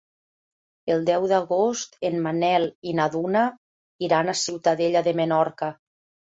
El deu d'agost en Manel i na Duna iran a Ciutadella de Menorca.